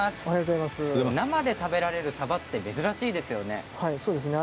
生で食べられるサバって珍しいですよね。